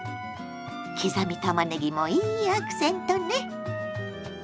刻みたまねぎもいいアクセントね。